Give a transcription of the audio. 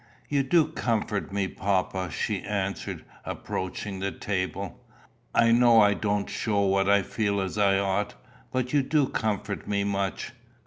"You do comfort me, papa," she answered, approaching the table. "I know I don't show what I feel as I ought, but you do comfort me much.